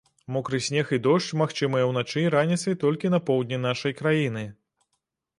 Мокры снег і дождж магчымыя ўначы і раніцай толькі на поўдні нашай краіны.